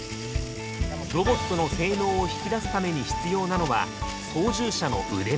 ロボットの性能を引き出すために必要なのは操縦者の腕前。